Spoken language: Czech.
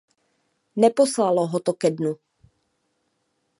Neposlalo ho to ke dnu.